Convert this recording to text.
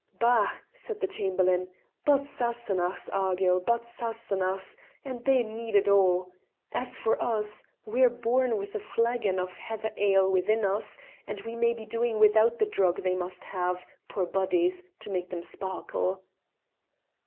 "Bah!" said the Chamberlain; "but Sassenachs, Argyll, but Sassenachs, and they need it all. As for us, we're born with a flagon of heather ale within us, and we may be doing without the drug they must have, poor bodies, to make them sparkle."